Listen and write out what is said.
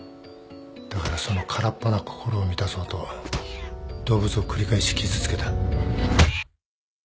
だからその空っぽな心を満たそうと動物を繰り返し傷つけた。